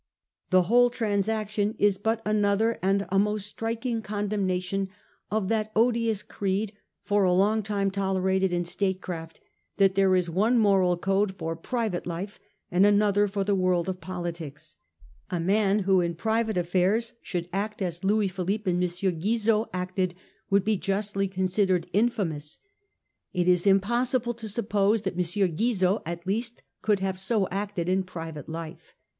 The whole transaction is but another and a most striking con demnation ' of that odious creed, for a long time tolerated in statecraft, that there is one moral code for private life and another for the world of politics. A man who in private affairs should act as Louis Philippe and M. Guizot acted would be justly con sidered infamous. It is impossible to suppose that M. Guizot at least could have so acted in private life. M.